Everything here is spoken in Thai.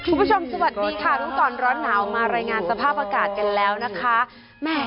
คุณผู้ชมสวัสดีค่ะทุกตอนร้อนหนาวมารายงานสภาพอากาศกันแล้วนะคะ